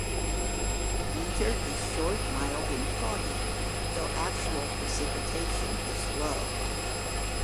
Winter is short, mild, and foggy, though actual precipitation is low.